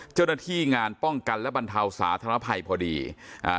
เจ้าหน้าที่งานป้องกันและบรรเทาสาธารณภัยพอดีอ่า